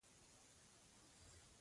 په عاجزي کې دوه اړخيزه ګټه ده.